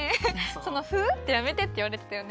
「その『フウ！』ってやめて」っていわれてたよね。